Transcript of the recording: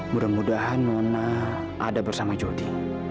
mudah mudahan nona ada bersama jody